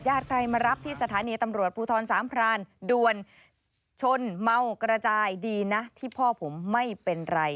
ใครมารับที่สถานีตำรวจภูทรสามพรานด่วนชนเมากระจายดีนะที่พ่อผมไม่เป็นไร